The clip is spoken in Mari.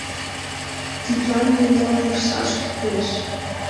Тидлан мемнам вурсаш кӱлеш...